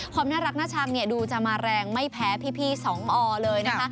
ความน่ารักน่าชังดูจะมาแรงไม่แพ้พี่สองอเลยนะคะ